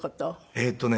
えっとね